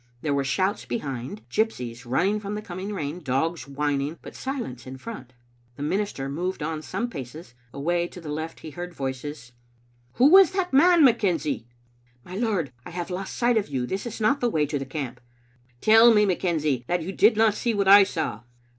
There were shouts behind, gypsies running from the coming rain, dogs whining, but silence in front. The minister moved on some paces. Away to the left he heard voices —Who was the man, McKenzie?" " My lord, I have lost sight of you. This is not the way to the camp. "" Tell me, McKenzie, that you did not see what I saw.